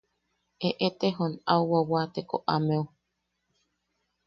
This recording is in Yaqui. Eʼetejon au wawateko ameu...